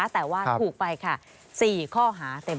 แต่ว่าถูกไปค่ะ๔ข้อหาเต็ม